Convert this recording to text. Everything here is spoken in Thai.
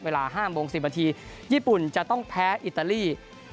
เวลา๕โมง๑๐นาทีญี่ปุ่นจะต้องแพ้อิตาลี